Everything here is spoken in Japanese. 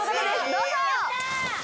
どうぞ！